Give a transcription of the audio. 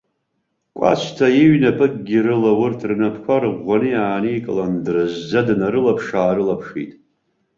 Кәасҭа иҩнапыкгьы рыла урҭ рнапқәа рыӷәӷәаны иааникылан, дразӡа днарылаԥш-аарылаԥшит.